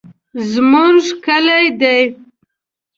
زمونږ کلي دي.